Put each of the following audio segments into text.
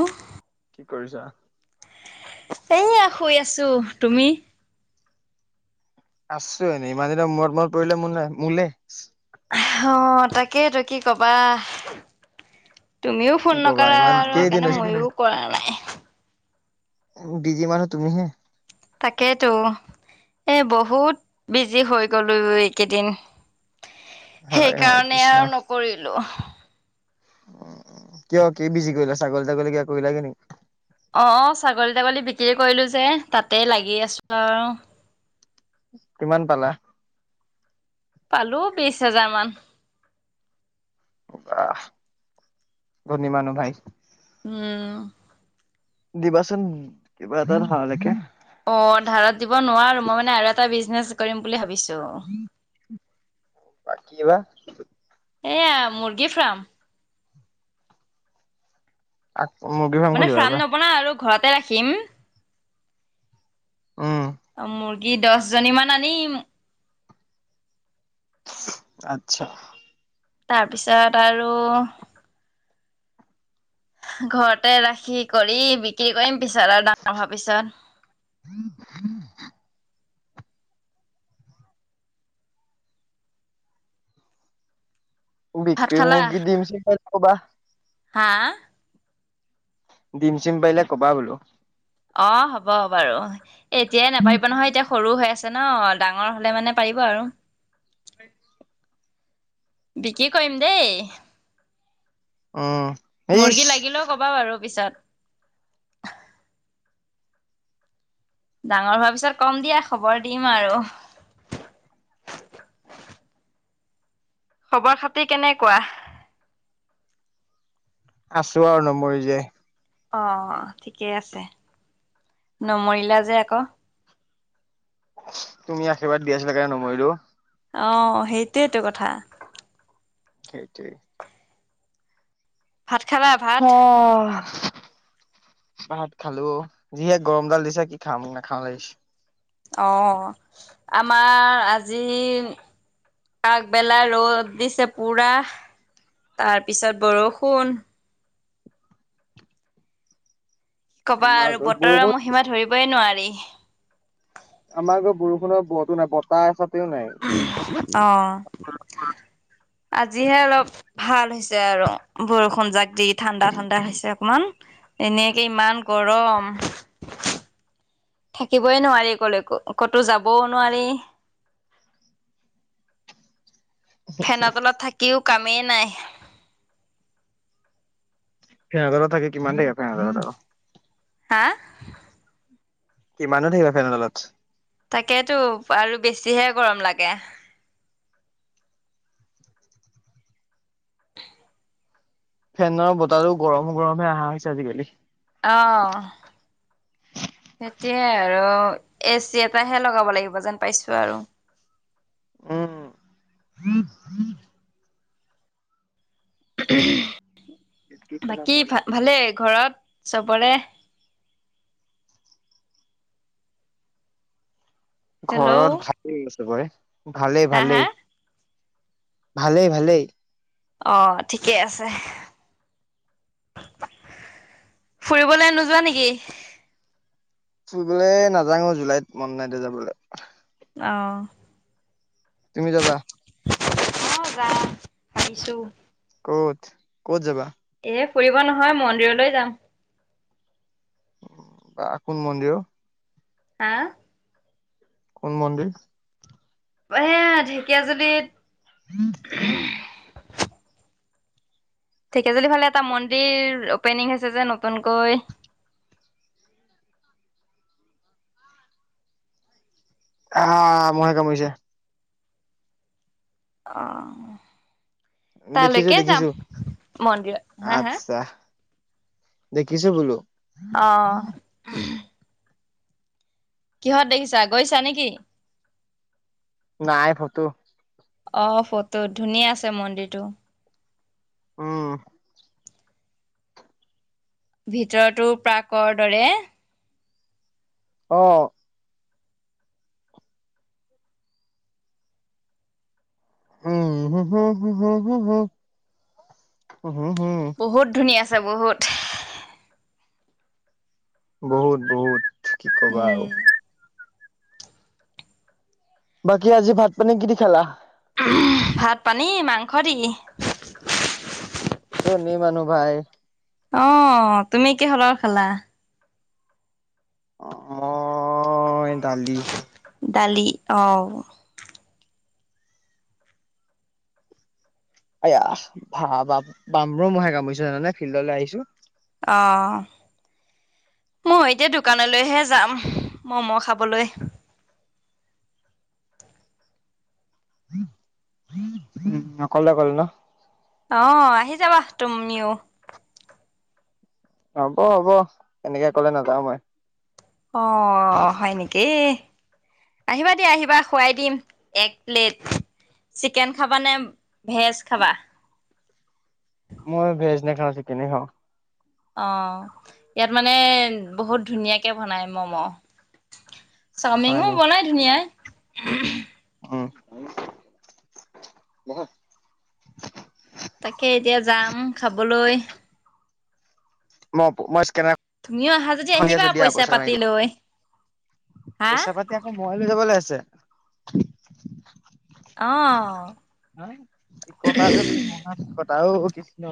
অঁ! কি কৰিছা? এয়া শুই আছো। তুমি? আছো এনেই ইমানদিনৰ মূৰত মনত পৰিলে মোৰ মোলে অ তাকেই তো কি কবা তুমিও ফোন কি কবা নকৰা ইমান আৰু কেইদিন সেইকাৰণে হৈছে ময়ো কৰা নাই বিজি মানুহ তুমিহে? তাকেইেতো এ বহুত বিজি হৈ গলো এইকেইদিন হয় হয় সেইকাৰণে কৃষ্ণ আৰু নকৰিলো কিয় কি বিজি কৰিলা ছাগলী-টাগলী কিবা কৰিলা গে নেকি? অ ছাগলী তাগলী বিক্ৰী কৰিলো যে তাতেই লাগি আছো আৰু কিমান পালা? পালো বিশ হাজাৰ মান। বাহ! ধনিমানুহ ভাই। উম। দিবাচোন কিবা এটা ধাৰলেকে। অ ধাৰত দিব নোৱাৰো, মই মানে আৰু এটা বিজনেচ কৰিম বুলি ভাবিছো। বা কি বা? এয়া মূৰ্গী ফাৰ্ম। আকৌ মুৰ্গী মানে খুলিবা ফাৰ্ম এইবাৰ নবনাও আৰু ঘৰতে ৰাখিম। উম মূৰ্গী দহ জনী মান আনিম। আচ্ছা। তাৰপিছত আৰু ঘৰতে ৰাখি কৰি বিক্ৰী কৰিম, পিছত আৰু ডাঙৰ হোৱা পিছত। ভাত বিক্ৰী মূৰ্গি দিম চিম পাৰিলে ক'বা। হাঁ? ডিম চিম পাৰিলে কবা বোলো। অ হ'ব বাৰু এতিয়াই নাপাৰিব নহয় এতিয়া সৰু হৈ আছে ন ডাঙৰ হলে মানে পাৰিব আৰু। [inaudible] বিকি কৰিম দেই? অ। মূৰ্গী লাগিলেও ক'বা বাৰু পিছত। ডাঙৰ হোৱাৰ পিছত কম দিয়া খবৰ দিম আৰু। [inaudible] খবৰ খাতি কেনেকুৱা? আছো আৰু নমৰি জীয়াই। অ ঠিকেই আছে নমৰিলা যে আকৌ। তুমি আশীৰ্বাদ দি আছিলা কাৰণে নমৰিলো। অঁহ সেইটোয়েইেতটো কথা। সেইটোৱে। ভাত খালা ভাত? অঁহহ। ভাত খালো যিহে গৰম ডাল দিছে, কি খাম নাখাও লাগিছে। অ আমাৰ আজি আগবেলা ৰ'দ দিছে পুৰা তাৰপিছত বৰষুণ। কি কবা আমাৰ আৰু ঘৰত বতৰৰ বৰষুণ মহিমা ধৰিবই নোৱাৰি। আমাৰটো বৰষুণৰ ব তো নাই বতাহ নাই। অ আজিহে অলপ ভাল হৈছে আৰু বৰষুণ যাক দি ঠাণ্ডা ঠাণ্ডা হৈছে অকমান। এনেকে ইমান গৰম। থাকিবই নোৱাৰি কলেকো, ক'তো যাবও নোৱাৰি। ফেনৰ তলত থাকিও কামেই নাই। ফেনৰ তলত থাকি কিমান দেৰি [unintelligible] হাঁ? কিমাননো থাকিবা ফেনৰ তলত। তাকেতো আৰু বেছিহে গৰম লাগে। ফেনৰ বতাটো গৰম গৰমেহে অহা হৈছে আজিকালি। অঁহ। সেইটোৱে আৰু এচি এটাহে লগাব লাগিব যেন পাইছো আৰু। উম বাকী ভালেই ঘৰত চবৰে ঘৰত হেল্ল' ভালেই চবৰে ভালেই হা হা ভালেই ভালেই ভালেই অ ঠিকেই আছে ফুৰিবলৈ নোযোৱা নেকি ফুৰিবলে নাজাং জুলাইত মন নাই যাবলৈ অ তুমি যাবা অ যাম ভাবিছোঁ ক'ত ক'ত যাবা এ ফুৰিব নহয় মন্দিৰলৈ যাম বা কোন মন্দিৰ ও হা কোন মন্দিৰ এ ঢেকীয়াজুলিত [unintelligible] ঢেঁকীয়াজুলি ফালে এটা মন্দিৰ অপেনিং হৈছে যে নতুনকৈ আহ মহে কামুৰিছে অ দেখিছো তালৈকে যাম দেখিছো মন্দিৰত হা হাৰ্ক ঢ দেখিছোঁ বোলো অ কিহত দেখিছা গৈছা নেকি নাই ফটো অ ফটো ধুনীয়া আছে মন্দিৰটো উম ভিতৰতো প্ৰাকৰ দৰে অ উম হো হো হো বহুত ধুনীয়া আছে বহুত বহুত বহুত কি কবা আও উম বাকী আজি ভাত পানী কি খালা ভাত পানী মাংস দি ধনী মানু্হ ভাই অ তুমি কিহৰ লগত খালা অ দালি দালি অ এয়া ভ বামৰ মহে কামুৰিছে জানানে ফিল্ডলৈ আহিছো অ মই এতিয়া দোকানলৈহে যাম মম' খাবলৈ উম অকলে অকলে ন অ আহি যাবা তুমিও হ'ব হ'ব এনেকে কলে নাযাওঁ মই অ হয় নেকি আহিবা দিয়া আহিবা খুৱাই দিম এক প্লেট চিকেন খাবা নে ভেজ খাবা নেখাওঁ চিকেনে খাওঁ অ ইয়াত মানে বহুত ধুনীয়াকে বনাই মম' হয় চাওমিনো নি? বনাই ধুনীয়াই উম তাকে এতিয়া যাম খাবলৈ ম প মছ্ তুমিও আহা যদি আহিবা পইচা পাতি লৈ হা পইচা-পাতি আকৌ মই লৈ যাবলৈ আছে অ হে কি কথা যে ম থা অ কৃষ্ণ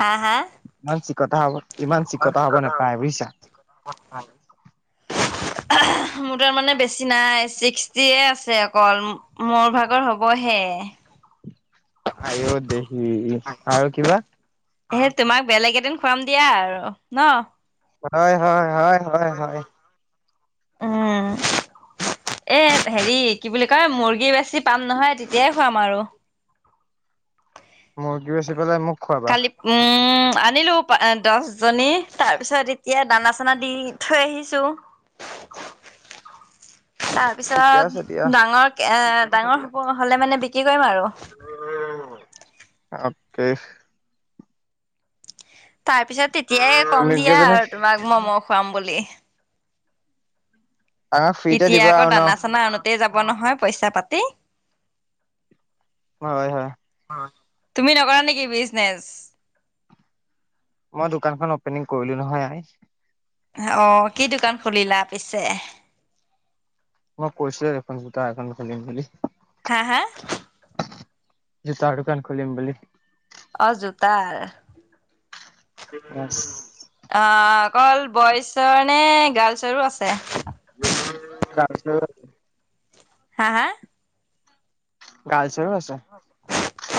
হা হা ইমান চিকতা হব ইমান চিকতা হব নাপায় বুইছা এহ মোৰ তাৰ মানে বেছি নাই ছিক্সটিয়ে আছে অকল মোৰ ভাগৰ হ'বহে [unintelligible] আই অ দেহি আৰু কিবা এ তোমাক বেলেগ এদিন খুৱাম দিয়া আৰু ন হয় হয় হয় হয় হয় উম এ হেৰি কি বুলি কয় মুৰ্গী বেছি পাম নহয় তেতিয়াই খোৱাম আৰু মুৰ্গী বেছি পেলাই মোক খুৱাবা কালি উম উম আনিলো দহ জনী তাৰ পিছত এতিয়া দানা চানা দি থৈ আহিছো [unintelligible] তাৰ ঠিকে আছে দিয়া। পিছত ডাঙৰ এ ডাঙৰ হব হলে মানে বিক্ৰী কৰিম আৰু [unintelligible] অ কে তাৰ পিছত তেতিয়াই কম দিয়া মুৰ্গীজনী আৰু তোমাক মম' খুৱাম বুলি আমাক ফ্ৰীতে এতিয়া দিবা আকৌ আৰু ন দানা চানা আনোতে যাব নহয় পইচা পাতি হয় হয় তুমি নকৰা নেকি বিজনেছ মই দোকানখন অপেনিং কৰিলো নহয় আই আঊহ কি দোকান খুলিলা পিছে মই কৈছিলো দেখোন জৌটা দোকান খুলিম বুলি হা হা জোতাৰ দোকান খুলিম বুলি অ জোতাৰ বছ অ' অকল বইজৰ নে গাৰ্লছৰো আছে কাজ হা, হা? গাজ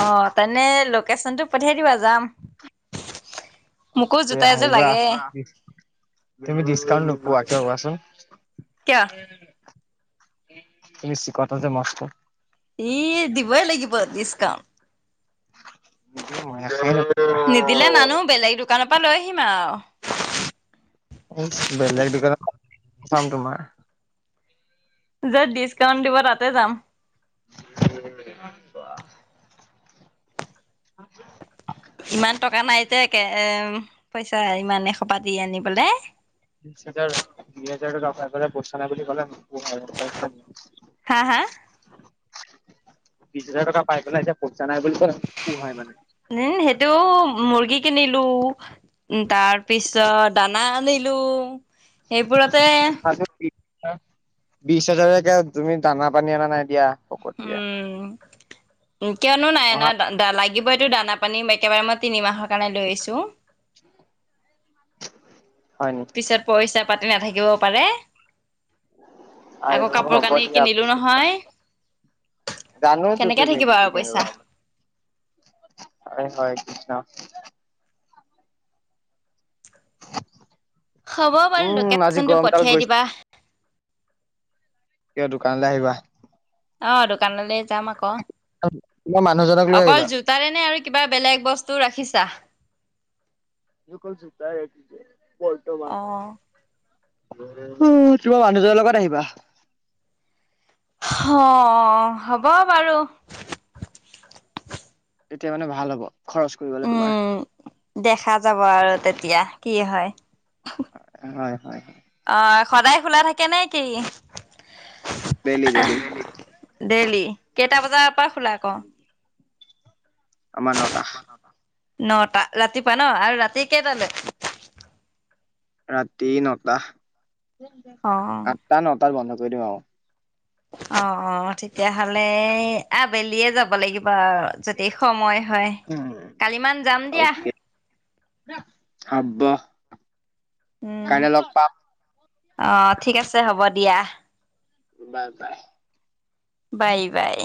অহ তেনে লোকেচনটো পঠিয়াই দিবা, যাম। অ মোকো তে জোতা এযোৰ আহিবা। লাগে। তুমি ডিছকাউণ্ট নোপোৱা, কিয় কোৱাচোন? কিয়? তুমি ছিকটা যে মস্ত। এই দিবই লাগিব ডিছকাউণ্ট। নিদো মই। নিদিলে নানো [unintelligible] বেলেগ দোকানৰ পৰা লৈ আহিম আও। বেলেগ দোকানত চাম তোমাৰ। য'ত ডিছকাউণ্ট দিব তাতে যাম। [unintelligible] বাহ। [inaudible] ইমান টকা নাই যে একে পইচা ইমান এসোপা দি আনিবলে। বিছ হাজাৰ, দুই হাজাৰ টকা পাই পেলাই পইছা নাই বুলি কলে [unintelligible] বিছ হা হা হাজাৰ টকা পাই পেলাই এতিয়া পইছা নাই বুলি ক'লে নোপোহাই মানে উম, সেইটো মুৰ্গী কিনিলো। উ, তাৰ পিছত দানা আনিলো। সেইবোৰতে বিছ হাজাৰকে তুমি দানা পানী অনা নাই দিয়া, ফকতিয়া। উম কিয়নো নাই অনা, লাগিবইটো দানা-পানী। একেবাৰে মই তিনি মাহৰ কাৰণে লৈ আহিছো। [inaudible] পিছত পইচা পাতি নাথাকিব পাৰে। আই আকৌ কাপোৰ-কানি কিনিলো নহয়। জানোটো কেনেকে তুমি থাকিব কি কি আৰু কিনিবা পইচা [unintelligible] হয়, হয়, কৃষ্ণ। হ'ব বাৰু, উম আজি লোকেচনটো গৰমডাল পঠিয়াই গৈছে দিবা। কিয় দোকানলৈ আহিবা। অ' দোকানলৈ যাম আকৌ। তোমাৰ মানুহজনক লৈ আহিবা অকল জোতাৰে নে আৰু কিবা বেলেগ বস্তু ৰাখিছা। অকল জোতায়ে বৰ্তমান। অ'। উ, তোমাৰ মানুহজনৰ লগত আহিবা। হ হ'ব বাৰু। তেতিয়া মানে ভাল হ'ব। খৰচ কৰিবলৈ তোমাৰ। উম, দেখা যাব আৰু তেতিয়া কি হয়? হয়, হয়। অ সদায় খোলা থাকে নে কি? Daily, daily. ডেইলি? কেইটা বজাৰ পৰা খোলা আকৌ? আমা নটা। নটা, ৰাতিপুৱা ন? আৰু ৰাতি কেইটালে? ৰাতি নটা। অ'। আঠটা, নটাত বন্ধ কৰি দিওঁ আৰু। অ, অ তেতিয়াহলে আবেলিয়ে যাব লাগিব আৰু যদি সময় হয়। কালি মান যাম দিয়া। হয়। অকে হব উম, কাইলৈ লগ পাম। অ' ঠিক আছে, হ'ব দিয়া। বাই, বাই। Bye bye.